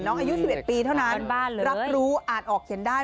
อายุ๑๑ปีเท่านั้นรับรู้อาจออกเขียนได้